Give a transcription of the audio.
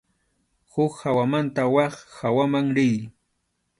Huk hawamanta wak hawaman riy.